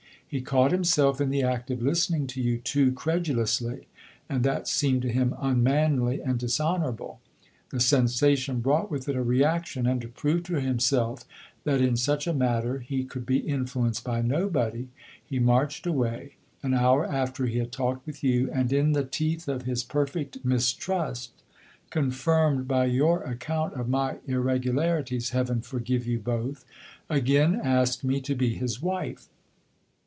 He caught himself in the act of listening to you too credulously and that seemed to him unmanly and dishonorable. The sensation brought with it a reaction, and to prove to himself that in such a matter he could be influenced by nobody, he marched away, an hour after he had talked with you, and, in the teeth of his perfect mistrust, confirmed by your account of my irregularities heaven forgive you both! again asked me to be his wife.